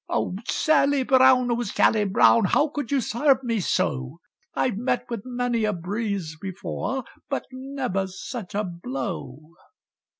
"O Sally Brown, O Sally Brown, How could you serve me so, I've met with many a breeze before, But never such a blow!"